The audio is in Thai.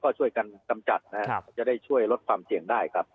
ก็ช่วยกันกำจัดนะครับจะได้ช่วยลดความเสี่ยงได้ครับ